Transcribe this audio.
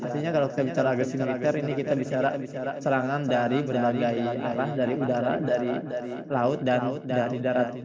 sebenarnya kalau kita bicara agresi militer ini kita bicara serangan dari berbagai arah dari udara dari laut dari darat